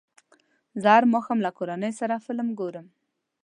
زه هر ماښام له کورنۍ سره فلم ګورم.